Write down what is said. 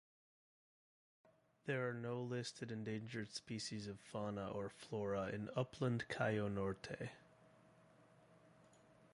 There are no listed endangered species of fauna or flora in upland Cayo Norte.